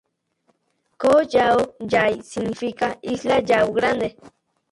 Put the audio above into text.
Ko Yao Yai significa Isla Yao grande.